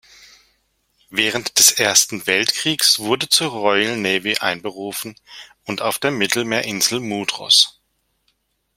Während des Ersten Weltkriegs wurde zur Royal Navy einberufen und auf der Mittelmeerinsel Moudros.